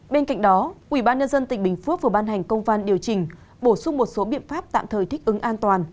bên cạnh đó ubnd tỉnh bình phước vừa ban hành công văn điều chỉnh bổ sung một số biện pháp tạm thời thích ứng an toàn